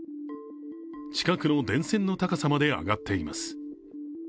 近くの電線の高さまで上がっています。